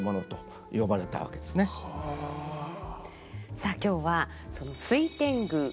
さあ今日はその「水天宮利生深川」